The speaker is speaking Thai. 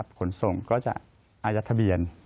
ผลส่งก็จะอายทะเบียน